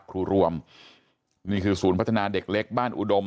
รวมนี่คือศูนย์พัฒนาเด็กเล็กบ้านอุดม